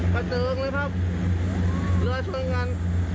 กระเจิงเลยครับเรื่อยเชิงงั้น